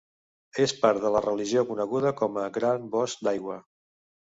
És part de la regió coneguda com a Gran Bosc d'aigua.